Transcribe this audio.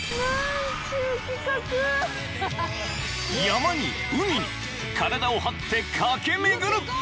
［山に海に体を張って駆け巡る！］